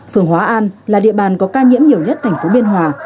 phường hóa an là địa bàn có ca nhiễm nhiều nhất thành phố biên hòa